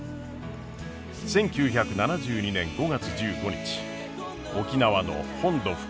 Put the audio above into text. １９７２年５月１５日沖縄の本土復帰。